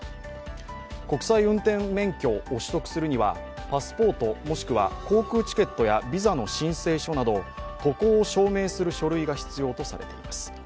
国際運転免許を取得するにはパスポート、もしくは航空チケットやビザの申請書など渡航を証明する書類が必要とされています。